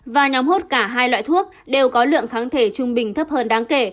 và nhóm hốt cả hai loại thuốc đều có lượng kháng thể trung bình thấp hơn đáng kể